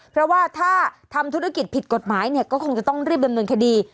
เพราะว่าถ้าทำธุรกิจผิดกฎหมายเนี่ยก็คงจะต้องรีบดำเนินคดี